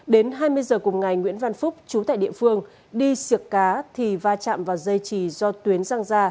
đến hai mươi h cùng ngày nguyễn văn phúc chú tại địa phương đi siệc cá thì va chạm vào dây chì do tuyến răng ra